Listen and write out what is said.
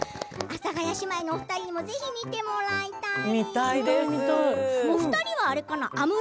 阿佐ヶ谷姉妹のお二人にもぜひ見てもらいたい。